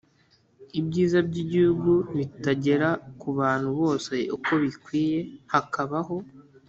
ibyiza by’igihugu bitagera ku bantu bose uko bikwiye, hakabaho